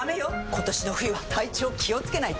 今年の冬は体調気をつけないと！